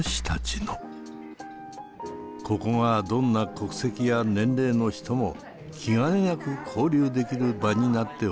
「ここがどんな国籍や年齢の人も気兼ねなく交流できる場になってほしい」。